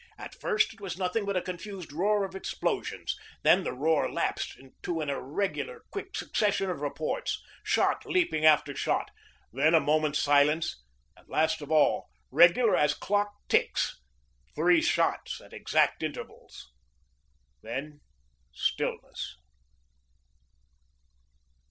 At first, it was nothing but a confused roar of explosions; then the roar lapsed to an irregular, quick succession of reports, shot leaping after shot; then a moment's silence, and, last of all, regular as clock ticks, three shots at exact intervals. Then stillness.